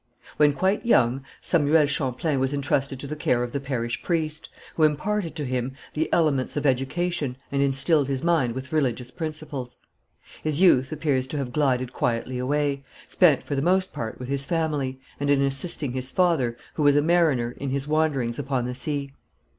When quite young Samuel Champlain was entrusted to the care of the parish priest, who imparted to him the elements of education and instilled his mind with religious principles. His youth appears to have glided quietly away, spent for the most part with his family, and in assisting his father, who was a mariner, in his wanderings upon the sea.